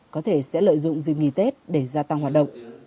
có thể sẽ lợi dụng dịp nghỉ tết để gia tăng hoạt động